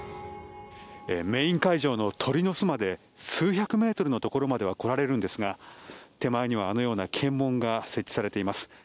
メイン会場の鳥の巣まで数百メートルのところまでは来られるんですが手前には、あのような検問が設置されています。